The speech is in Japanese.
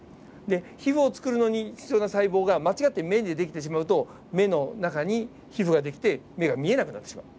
で皮膚を作るのに必要な細胞が間違って目に出来てしまうと目の中に皮膚が出来て目が見えなくなってしまう。